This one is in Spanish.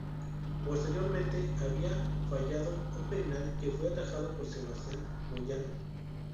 Posteriormente había fallado un penal que fue atajado por Sebastián Moyano.